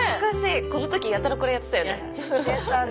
この時やたらこれやってたよね。